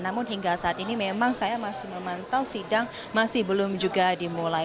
namun hingga saat ini memang saya masih memantau sidang masih belum juga dimulai